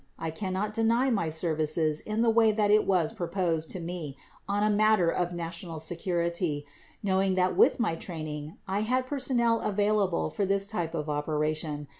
I cannot deny my services in the way that it was proposed to me on a matter of national security, knowing that with my training, I had personnel available for this type of operation.